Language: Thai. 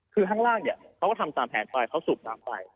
คือข้างล่างเนี่ยเขาก็ทำตามแผนไปเขาสูบน้ำไป